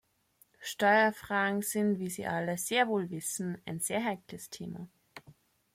Steuerfragen sind, wie Sie alle sehr wohl wissen, ein sehr heikles Thema.